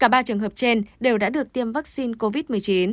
cả ba trường hợp trên đều đã được tiêm vaccine covid một mươi chín